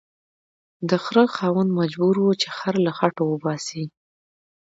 د خره خاوند مجبور و چې خر له خټو وباسي